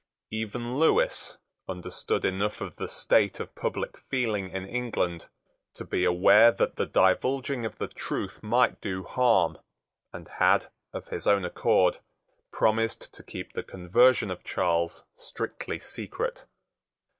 Even Lewis understood enough of the state of public feeling in England to be aware that the divulging of the truth might do harm, and had, of his own accord, promised to keep the conversion of Charles strictly secret.